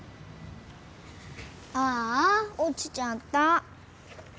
ああおちちゃった。